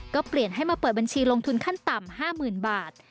ก็เปลี่ยนให้มาเปิดบัญชีลงทุนขั้นต่ำ๕๐๐๐บาท